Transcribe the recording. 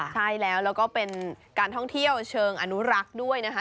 ใช่แล้วแล้วก็เป็นการท่องเที่ยวเชิงอนุรักษ์ด้วยนะคะ